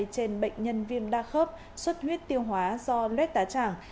trên bệnh nhân viêm đa khớp suất huyết tiêu hóa do lết tá tràng